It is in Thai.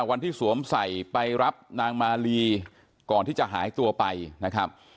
สวมใส่ไปรับนางมาลีก่อนที่จะหายตัวไปนะครับ